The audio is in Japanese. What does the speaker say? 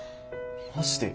マジで？